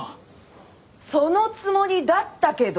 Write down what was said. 「そのつもりだったけど」